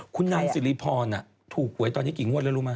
คุณนางสิริพรถูกหวยตอนนี้กี่งวดแล้วรู้ไหม